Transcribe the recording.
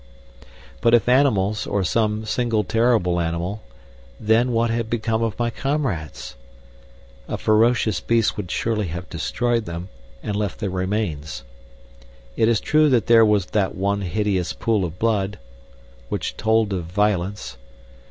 But if animals, or some single terrible animal, then what had become of my comrades? A ferocious beast would surely have destroyed them and left their remains. It is true that there was that one hideous pool of blood, which told of violence.